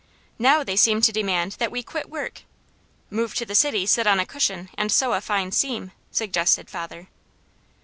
Now they seem to demand that we quit work " "Move to the city, 'sit on a cushion and sew a fine seam,'" suggested father.